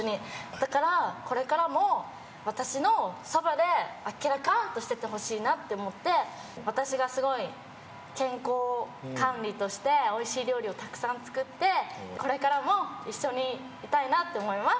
だから、これからも私のそばであっけらかんとしていてほしいなと思って私がすごい健康管理としておいしい料理をたくさん作ってこれからも一緒にいたいなと思います。